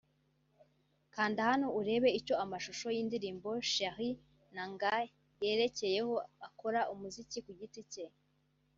Kanda hano urebe amashusho y'indirimbo 'Cherie na nga' yahereyeho akora umuziki ku giti cye